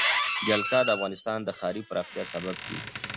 جلګه د افغانستان د ښاري پراختیا سبب کېږي.